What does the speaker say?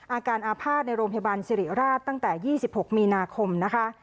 อาการอาภาษณ์ในโรงพยาบาลสิริราชตั้งแต่๒๖มีนาคมนะคะ